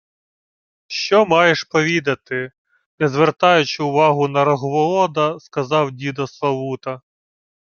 — Що маєш повідати? — не звертаючи увагу на Рогволода, сказав дідо Славута.